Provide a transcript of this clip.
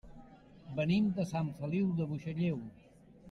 Venim de Sant Feliu de Buixalleu.